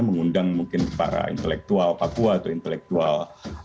mengundang mungkin para intelektual papua atau intelektual